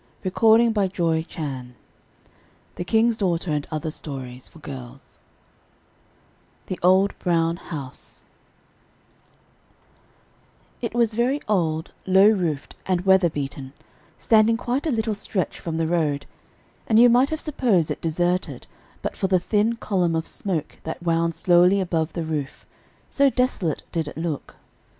[Illustration: Queen Marie Antoinette Led to the Tribunal] THE OLD BROWN HOUSE It was very old, low roofed, and weather beaten, standing quite a little stretch from the road, and you might have supposed it deserted but for the thin column of smoke that wound slowly above the roof, so desolate did it look.